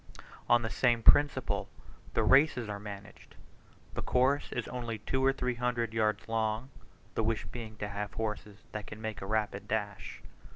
On the same principle the races are managed; the course is only two or three hundred yards long, the wish being to have horses that can make a rapid dash.